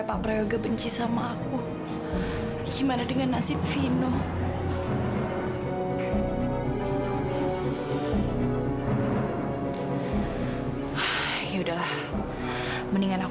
mama nggak rela kehilangan dianda